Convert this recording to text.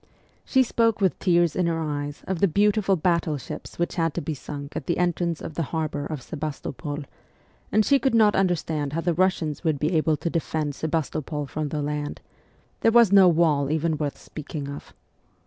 She spoke with tears in her eyes of the beautiful battle ships which had to be sunk at the entrance of the harbour of Sebastopol, and she could not understand how the Russians would be able to defend Sebastopol from the land ; there was no wall even worth speaking of.